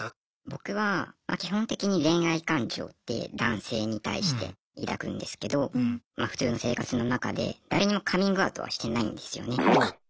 僕は基本的に恋愛感情って男性に対して抱くんですけどま普通の生活の中で誰にもカミングアウトはしてないんですよね。